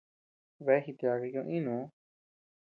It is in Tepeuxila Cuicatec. Bea jityaaka ñoo iinuu.